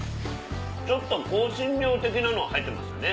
ちょっと香辛料的なの入ってますよね？